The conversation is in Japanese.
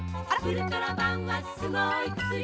ウルトラバンはすごいくすり